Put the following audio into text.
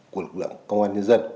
của lực lượng công an nhân dân